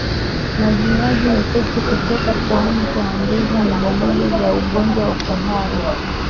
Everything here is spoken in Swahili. Majimaji mepesi kutoka puani kwa mbuzi ni dalili za ugonjwa wa kuhara